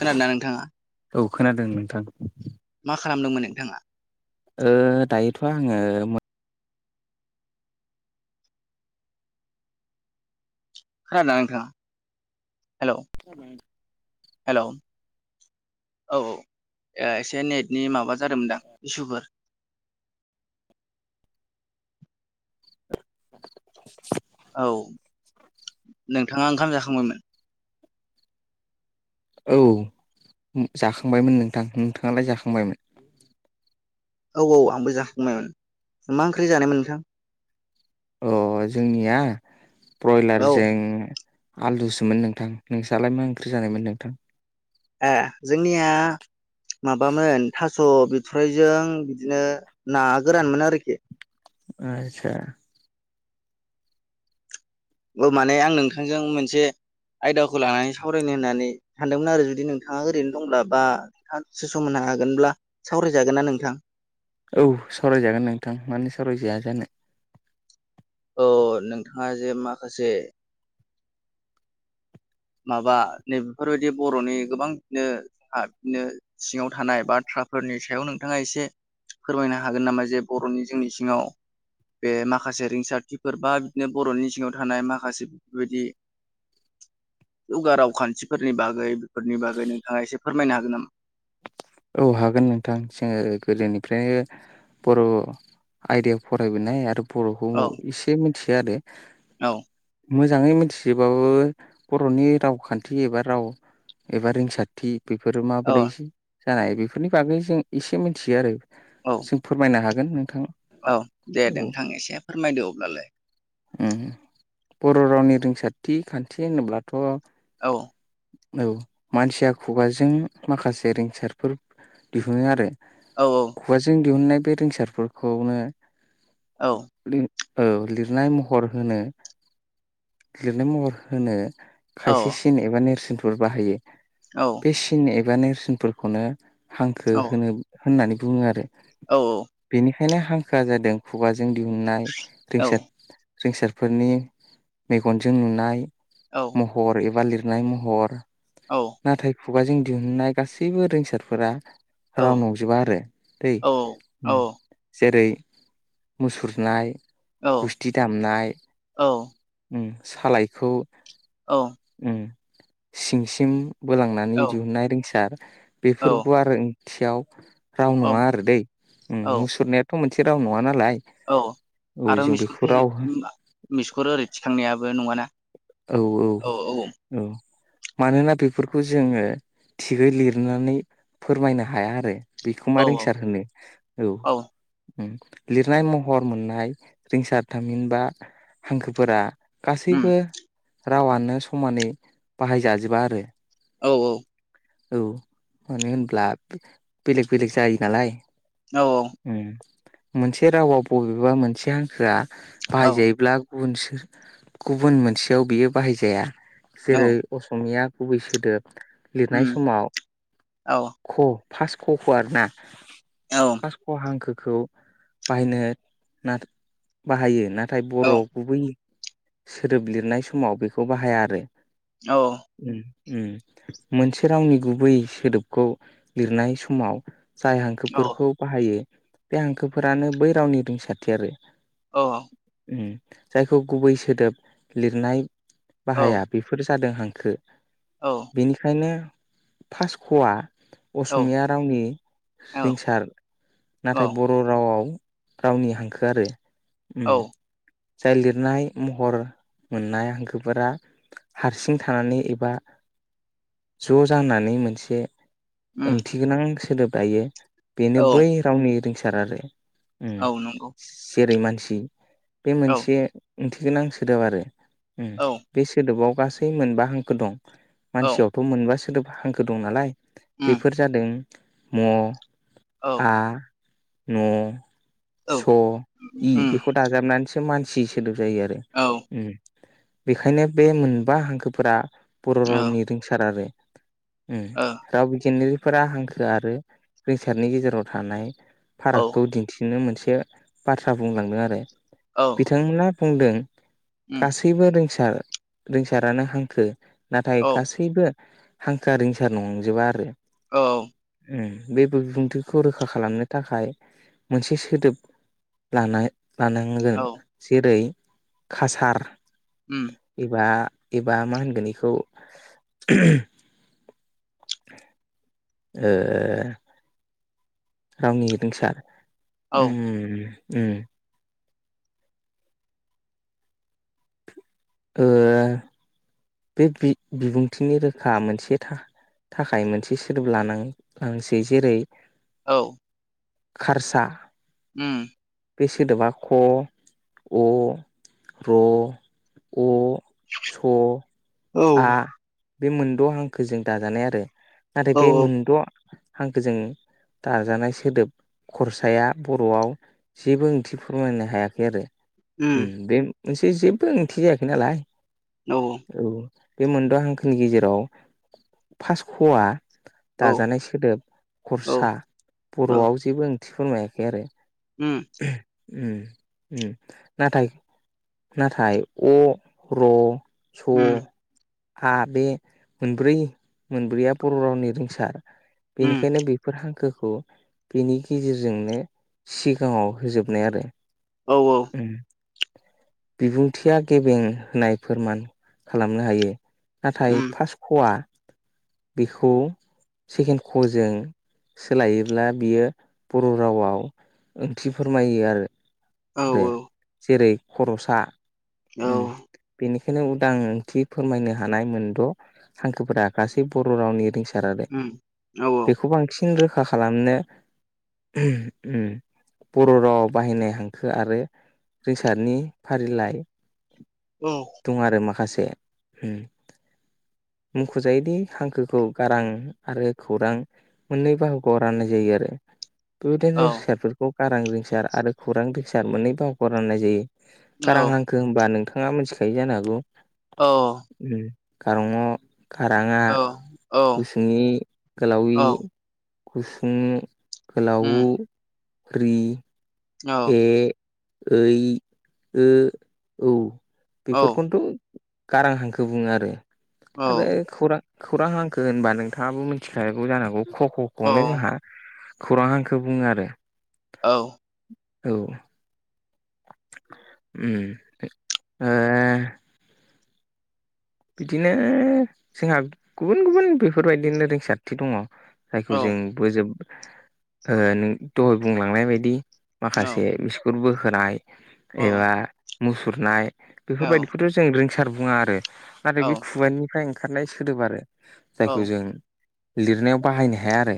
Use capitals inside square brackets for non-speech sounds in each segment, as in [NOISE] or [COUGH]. खोनादोंना नोंथाङा औ खोनादों नोंथां मा खालामदोंमोन नोंथाङा ओ दायोथ' आङो खोनादों दा नोंथां हेल' हेल' औ औ ओ एसे नेटनि माबा जादोंमोनदां इसुफोर औ नोंथाङा ओंखाम जाखांबायमोन औ जाखांबायमोन नोंथां नोंथाङालाय जाखांबायमोन औ औ आंबो जाखांबायमोन मा ओंख्रि जानायमोन नोंथां अ जोंनिया औ ब्रयलारजों आलुसोमोन नोंथां नोंसालाय मा ओंख्रि जानायमोन नोंथां ए जोंनिया माबामोन था स' बिथराइजों बिदिनो ना गोरान मोनो आरोखि आथसा माने आं नोंथांजों मोनसे आयदाखौ लानानै साव रायनो होननानै सानदोंमोन आरो जुदि नोंथाङा ओरैनो दंब्ला बा दसे सम होनो हागोनब्ला सावरायजागोन ना नोंथां औ सरायजागोन नोंथां मानोे सावरायजाया जानो अ नोंथाङा जे माखासे माबा नै बेफोरबायदि बर'नि गोबां नो हा बिनो सिङाव थानाय बाथ्राफोरनि सायाव नोंथाङा एसे फोरमायनो हागोन नामा जे बरनि जोंनि सिङाव बे माखासे रिंसारथिफोर बा बिदिनो बर'नि सिङाव थानाय माखासे बेफोरबायदि जौगा रावखान्थिफोरनि बागै बेफोरनि बागै नोंथाङा एसे फोरमायनो हागोन नामा? औ हागोन नोंथां जोङो गोरलैनिफ्रायनो बर' आयदायाव फरायबोनाय आरो बर'खौ औ एसे मिथिया आरो औ मोजाङै मिथिजोबाबो बर'नि रावखान्थि एबा राव एबा रिंसारथि बेफोरो माबोरै औ जानाय बेफोरनि बागै जों एसे मिथियो आरो औ जों फोरमायनो हागोन नोंथां औ दे औ नोंथां एसे फोरमायदो अब्लालाय उ बर' रावनि रोंसथि खान्थि होनोब्लाथ' औ औ मानसिया खुगाजों माखासे सेरफोर दिहुनो आरो औ औ खुगाजों दिहुननाय बे रोंसारफोरखौनो औ लि औ लिरनाय महर होनो लिरनाय महर होनो औ खायसेसिन एबा नेरसोनफोर बाहायो। औ इसिन एबा नेरसिनफोरखौनो हांखो होनो होननानै बुङो आरो औ औ बेनिखायनो हांखोआ जादों खुगाजों दिहुननाय औ रिसार रिंसारफोरनि मेगनजों नुनाय औ। महर एबा लिरनाय महर औ नाथाय खुगाजों दिहुननाय गासैबो रोंसारफोरा राव नंजोबा आरो दै औ ओम। जेरै मुसुरनाय, गुस्थि दामनाय। औ उम सालायखौ औ। ओम सिंसिम बोलांनानै औ दिहुनन्नाय रिंसार बेफोर औ गुवारै थियाव राव औ नङा आरो दै ओम औ मुसुरनायाथ' मोनसे राव नङा नालाय। औ औ आरो जों बेखौ मिसखुर राव मिसखुर ओरै थिखांनायाबो नङाना। औ औ। औ मानोना बेफोरखौ जोङो थिगै लिरनानै फोरमायनो हाया आरो बेखौ मा औ रिंसार होनो औ। लिरनाय महर मोननाय रिंसार थामहिनबा हांखोफोरा उम गासैबो रावानो समानै बाहायजाजोबा आरो। औ औ। औ मानो होनब्ला बेलेग बेलेग जायो नालाय। औ औ। ओम मोनसे रावाव बबेबा मोनसे हांखोआ औ बाहायजायोब्ला गुबुन सोर गुबुन मोनसेयाव बियो बाहायजाया औ जेरै असमिया गुबै सोदोब लिरनाय उम समाव औ। ख' फार्स्ट ख' खौ आरोना। औ। फास ख' हांखोखौ बाहायनो ना बाहायो ना नाथाय औ बर' गुबै सोदोब लिरनाय समाव बेखौ बाहाया आरो। औ। ओम ओम मोनसे रावनि गुबै सोदोबखौ लिरनाय समाव जाय औ हांखोफोरखौ बाहायो बे हांखोफोरानो बै रावनि रिसारथि आरो। ओम जायखौ गुबै सोदोब लिरनाय बाहाया बेफोर जादों हांखो। औ। बेनिखायनो फास ख आ औ असमिया रावनि रिंसार नाथाय ब र' रावआव रावनि हांखो आरो औ ओम। जाय लिरनाय महर मोननाय हांखोफोरा हारसिं थानानै एबा ज' जानानै मोनसे उम ओंथि गोनां सोदोब लायो बेनो औ बै गावनि रिसार आरो औ नंगौ जेरै मानसि बे औ मोनसे ओंथिगोनां सोदोब आरो ओम औ बे सोदोबाव गासै मोनबा हांखो दं। औ मानसियावथ' मोनबा सोदोबा हांखो दं नालाय उम बेफोर जादों म औ आ न औ स इ उम बेखौ दाजाबनानैसो मानसि सोदोब जायो आरो। औ। उम बेखायनो बे मोनबा हांखोफोरा बर' औ रावनि रिंसार आरो। ओम राव बिगिनारिफोरा हांखो आरो रिंसारनि गेजेराव थानाय ओ फारागखौ दिन्थिनो मोनसे बाथ्रा बुंलांदों आरो। औ। बिथांमोना बुंदों उम गासैबो रिंसार रिंसारानो हांखो नाथाय औ गासैबो हांखोआ रिंसार नंजोबा आरो औ बे बिबुंथिखौ रोखा खालामनो थाखाय मोनसे सोदोब लाना लानांगोन औ जेरै खासार उम। एबा एबा मा होनगोन इखौ [UNINTELLIGIBLE] ओ ओ रावनि रिंसार ओम ओम ओम ओ बे बि-बिबुंथिनि रोखा मोनसे था थाखाय मोनसे सोदोब लानां लांसै जेरै औ औ खारसा ओम बे सोदोबा ख अ र' अ स' औ आ बे मोनद' हांखोजों दाजानाय आरो नाथाय औ बे औ मोनद' हांखोजों दाजानाय सोदोब खरसाया बर'आव जेबो ओंथि फोरमायनो हायाखै आरो उम ओम बे मोनसे जेबो ओंथि जायाखै नालाय औ। औ बे मोनद' हांखोनि गेजेराव फार्स्ट खवा औ दाजानाय सोदोब औ खरसा बर'आव जेबो ओंथि फोरमायाखै आरो ओम ओम ओम नाथाय नाथाय अ र' स' उम आ बे मोनब्रै मोनब्रैया बर' रावनि रिंसार उम बेनिखायनो बे बेफोर हांखोखौ बेनि गेजेरजोंनो सिगाङाव होजोबनाय आरो औ औ उम बिबुंथिया गेबें होनाय फोरमान खालामनो हायो नाथाय उम फार्स्ट खवा बेखौ सेकेन्ड क जों सोलायोब्ला बियो बर' रावआव ओंथि फोरमायो आरो औ आरो जेरै खर'सा औ ओम बेनिखायनो उदां ओंथि फोरमायनो हानाय मोनद' हांखोफोरा गासै बर' रावनि रिंसार आरो उम औ बेखौ बांसिन रोखा खालामनो ओम बर' रावाव बाहायनाय हांखो आरो रिंसार्टनि फारिलाइ दं आरो माखासे ओम मख'जायोदि हांखोखौ गारां आरो खौरां मोननै बाहागोआव राननाय जायो आरो औ बेबायदिनो रिंसारफोरखौ गारां रिंसार आरो खौरां रिंसार मोननै बाहखौ राननाय जायो। गारां हांखो होनबा नोंथाङा मिथिखायो जानो हागौ औ ओम गारंअ गाराङा [UNINTELLIGIBLE] गुसुंइ गोलाई औ गुसुंउ गोलावउ रि ए ओइ ओ औ बेफोरखौनोथ' गारां हांखो बुङो आरो आरो खौरां खौरां हांखो होनबा नोंथाङाबो मिथिखागौ जानांगौ ख ख खौनो जोंहा खौरां हांखौ बुंङो आरो औ। औ उम ओ बिदिनो जोंहा गुबुन गुबुन बेफोरबायदिनो रिंसारथि दङ जायखौ जोंबो जोब ओ दहाय बुंलांनाय बायदि माखासे बिस्कुट बोखोनाय एबा मुसुरनाय बेफोरबायदिखौथ' जों रिंसार बुङा आरो नाथाय बे औ खुुबानिानिफ्राय ओंखारनाय सोदोब आरो जायखौ जों लिरनायाव बाहायनो हाया आरो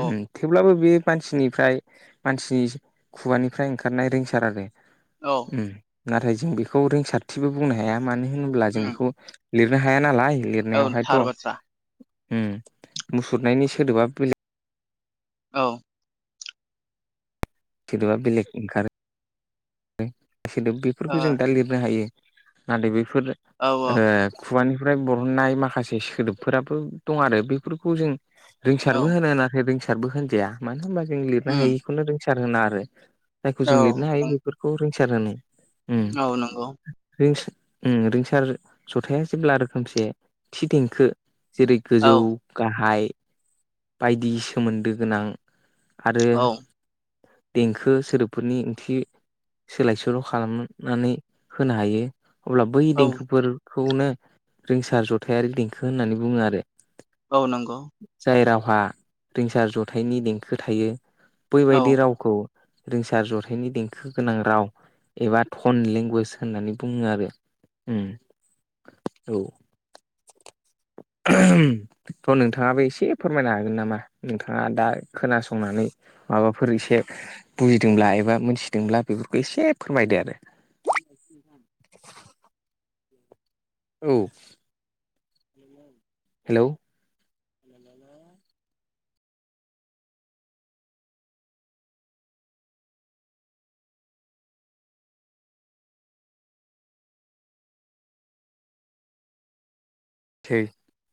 ओम थेवब्लाबो बे मानसिनिफ्राय मानसिनि खुगानिफ्राय ओंखारनाय रिंसार आरो उम नाथाय जों बेखौ रोंसारथिबो बुंनो हाया मानो होनोब्ला जों उम बेखौ लिरनो हाया नालाय औ लिरनायावहायथ' थार बाथ्रा उम मुसुरनायनि सोदोबा बेलेग औ बेलेग ओंखारो सोदोब औ बेफोरखौ जों दा लिरनो हायो नाथाय बेफोर औ ओ खुगानिफ्राय बरहननाय माखासे सोदोबफोराबो दं आरो बेफोरखौ जों औ रोंसारबो होनो नाथाय रोंसारबो होनजाया मानो होनबा जों लिरनो उम हायिखौनो रो र होना आरो जायखौ औ जों लिरनो हायो बेफोरखौ रिंसार होनो उम औ नंगौ रिं रिंसार जथाया जेब्ला रोखोमसे थि देंखो जेरै गोजौ औ गाहाय बायदि सोमोन्दो गोनां आरो औ देंखो सोदोबफोरनि ओंथि सोलाय-सोल' खालामनानै होनो हायो अब्ला बै औ देंखोफोरखौनो रोंसार जथायारि देंखो होननानै बुंङो आरो औ नंगौ जाय रावहा रिंसार जथायाइनि देंखो थायो औ बैबायदि राव खौ रोंसार जथायनि देंखो गोनां राव एबा टन लेंगुवेज होननानै बुङो आरो औ ज थ' नोंथाङाबो एसे फोरमायनो हागोन नामा नोंथाङा दा खोनासंनानै माबाफोर एसे बुजिदोंब्ला एबा मोनथिदोंब्ला बेफोरखौ एसे फोरमायदो आरो औ। उ [UNINTELLIGIBLE] हेलौ हो थै